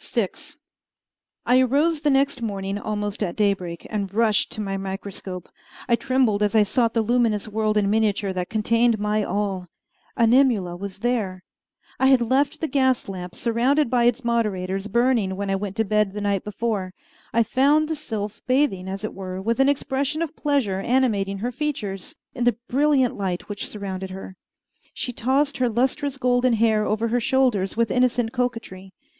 VI I arose the next morning almost at daybreak, and rushed to my microscope, I trembled as I sought the luminous world in miniature that contained my all. Animula was there. I had left the gas lamp, surrounded by its moderators, burning when I went to bed the night before. I found the sylph bathing, as it were, with an expression of pleasure animating her features, in the brilliant light which surrounded her. She tossed her lustrous golden hair over her shoulders with innocent coquetry.